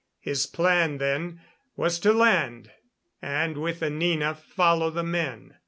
His plan, then, was to land, and with Anina follow the men.